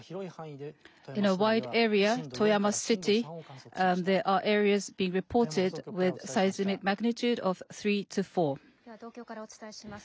では東京からお伝えします。